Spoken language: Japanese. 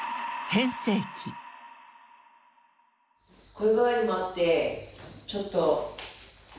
声変わりもあってちょっと。